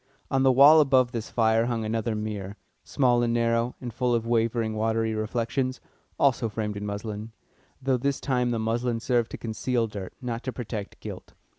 On the wall above this fire hung another mirror, small and narrow, and full of wavering, watery reflections, also framed in muslin, though this time the muslin served to conceal dirt, not to protect gilt.